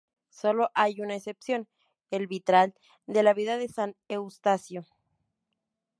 Solo hay una excepción: el vitral de la "Vida de San Eustasio".